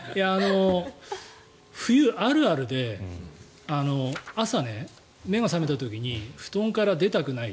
冬あるあるで朝、目が覚めた時に布団から出たくない。